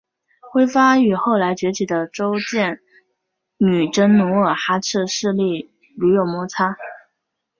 辉发与后来崛起的建州女真努尔哈赤势力屡有摩擦。